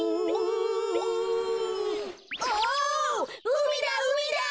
うみだうみだ！